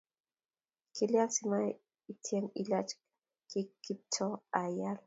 kilyan si maityem ilach kiKiptooo ial